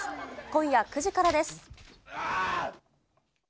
今夜９時からです。